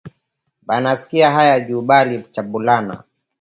Bana sikia haya ju bali chambulana